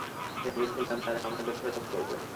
ভেবেছিলাম তারা আমায় দোষারোপ করবে।